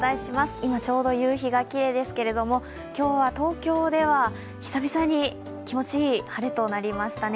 今、ちょうど夕日がきれいですけれども、今日は東京では久々に気持ちいい晴れとなりましたね。